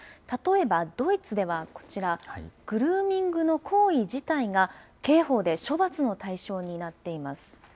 例えばドイツではこちら、グルーミングの行為自体が、刑法で処罰の対象になっています。